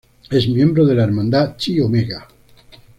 Es miembro de la hermandad "Chi Omega".